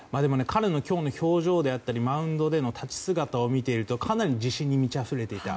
彼の今日の表情であったりマウンドでの立ち姿を見るとかなり自信に満ちあふれていた。